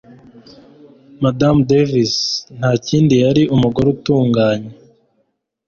Madamu Davis ntakindi yari umugore utunganye.